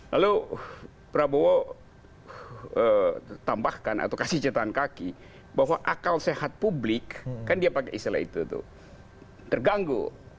lalu prabowo tambahkan atau kasih cetan kaki bahwa akal sehat publik kan dia pakai istilah itu tuh terganggu